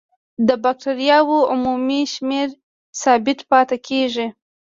د بکټریاوو عمومي شمېر ثابت پاتې کیږي.